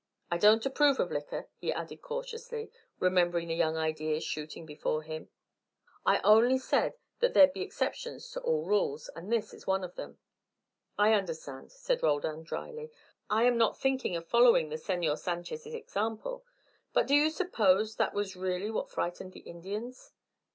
I don't approve of liquor," he added cautiously, remembering the young ideas shooting before him. "I only said that there be exceptions to all rules, and this is one of them." "I understand," said Roldan, drily. "I am not thinking of following the Senor Sanchez' example. But do you suppose that was really what frightened the Indians?"